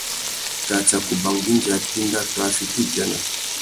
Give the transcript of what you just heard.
Kā tsaka ubanga indi a téndá tô a fiti ubiana.